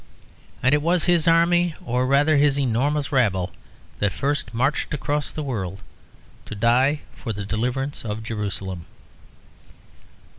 And it was his army, or rather his enormous rabble, that first marched across the world to die for the deliverance of Jerusalem.